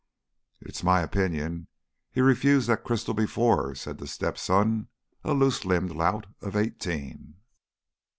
"It's my opinion he's refused that crystal before," said the step son, a loose limbed lout of eighteen.